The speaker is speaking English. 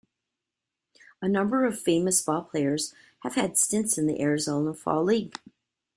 A number of famous ballplayers have had stints in the Arizona Fall League.